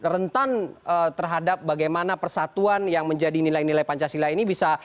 rentan terhadap bagaimana persatuan yang menjadi nilai nilai pancasila ini bisa